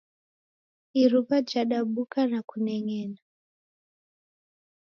Iruwa jadabuka na kuneng'ena.